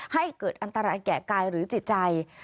ให้เกิดอันตรายแก่กายหรือจิตใจ